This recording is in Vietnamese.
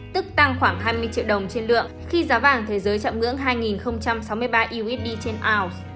tức tăng khoảng hai mươi triệu đồng trên lượng khi giá vàng thế giới chạm ngưỡng hai sáu mươi ba usd trên ounce